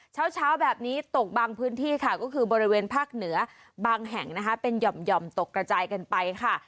เช้าแบบนี้ตกบางพื้นที่ค่ะก็คือบริเวณภาคเหนือบางแห่งนะคะเป็นหย่อมตกกระจายกันไปค่ะ